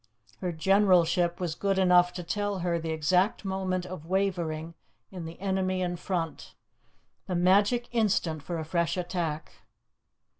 Her generalship was good enough to tell her the exact moment of wavering in the enemy in front, the magic instant for a fresh attack.